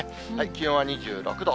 気温は２６度。